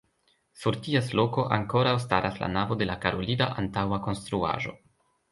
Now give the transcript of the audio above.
Sur ties loko ankoraŭ staras la navo de la karolida antaŭa konstruaĵo.